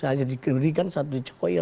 hanya dikerikan satu di jokowi